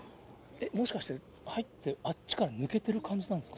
もしかして入って、あっちから抜けてる感じなんですか？